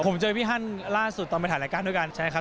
ผมเจอพี่ฮันล่าสุดตอนไปถ่ายรายการด้วยกันใช่ครับ